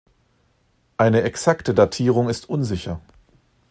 Eine exakte Datierung ist unsicher.